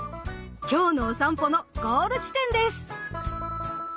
今日のおさんぽのゴール地点です。